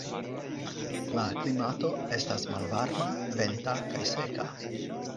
La klimato estas malvarma, venta kaj seka.